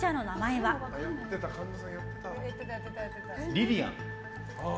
リリアン。